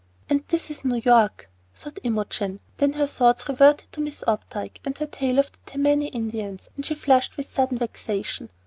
"And this is New York!" thought Imogen. Then her thoughts reverted to Miss Opdyke and her tale of the Tammany Indians, and she flushed with sudden vexation.